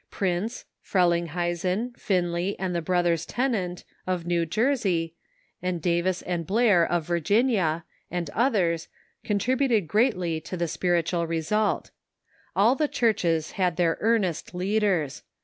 Prince, Frelinghuysen, Finley, and the brothers Tennent, of New Jersey, and Davis and Blair, of Virginia, and others, contributed greatly to the spiritual result. All the chui'ches had their earnest leaders.